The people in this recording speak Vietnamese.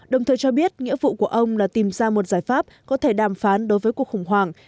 đồng thời cho biết nghĩa vụ của ông là tìm ra một giải pháp có thể đàm phán đối với cuộc khủng hoảng